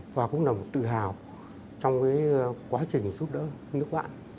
và cũng là một tự hào trong quá trình giúp đỡ nước bạn